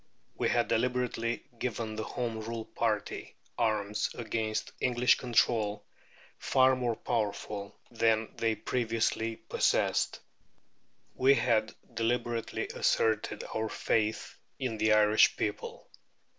We had deliberately given the Home Rule party arms against English control far more powerful than they previously possessed. We had deliberately asserted our faith in the Irish people.